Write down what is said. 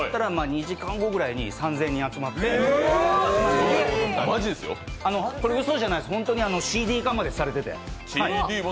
２時間後ぐらいに３０００人集まってうそじゃないです、これ本当にＣＤ化までされていて。